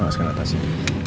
mas kena kasih